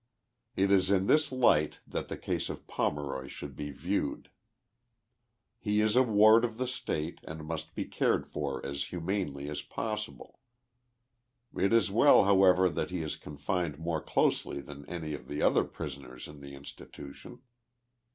It is in this light that the case of Pomeroy should be viewed. 24 TIIE LIFE OF JESSE HAEDIXG POMELO Y. He is a ward of the State and must be cared for as humanely as possible. It is well, however, that he is confined more closely than any of the other prisoners in the institution.